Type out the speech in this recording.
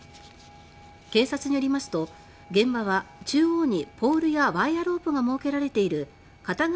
警察によりますと現場は中央にポールやワイヤロープが設けられている片側